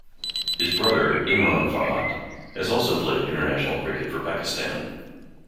His brother, Imran Farhat has also played international cricket for Pakistan.